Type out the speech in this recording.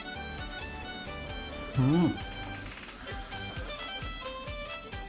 うん！